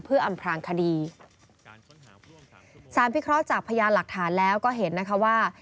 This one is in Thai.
เพื่ออำพลางคดีสารพิเคราะห์จากพยานหลักฐานแล้วก็เห็นนะคะว่า